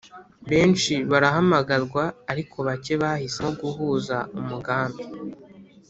benshi barahamagarwa ariko bake bahisemo guhuza umugani